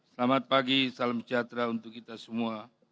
selamat pagi salam sejahtera untuk kita semua